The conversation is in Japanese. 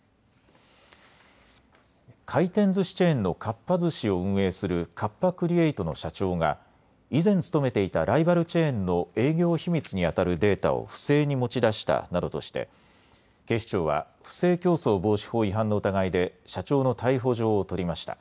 回転ずしチェーンのかっぱ寿司を運営するカッパ・クリエイトの社長が以前、勤めていたライバルチェーンの営業秘密にあたるデータを不正に持ち出したなどとして警視庁は不正競争防止法違反の疑いで社長の逮捕状を取りました。